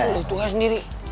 lo duanya sendiri